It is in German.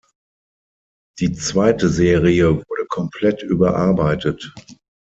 Die zweite Serie wurde komplett überarbeitet.